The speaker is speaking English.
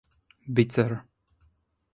Bitzer.